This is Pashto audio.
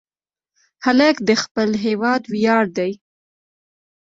هلک د خپل هېواد ویاړ دی.